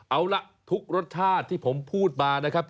เอาล่ะทุกรสชาติที่ผมพูดมานะครับ